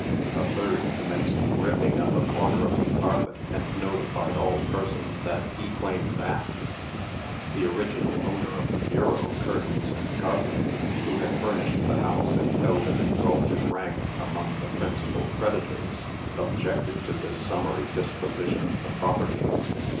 A third commenced ripping up a corner of the carpet, and notified all persons that he claimed that. The original owner of the bureau, curtains, and carpet, who had furnished the house, and held an exalted rank among the principal creditors, objected to this summary disposition of the property.